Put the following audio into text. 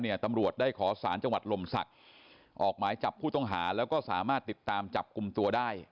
ตำรวจได้ขอสารจังหวัดลมศักดิ์ออกหมายจับผู้ต้องหาแล้วก็สามารถติดตามจับกลุ่มตัวได้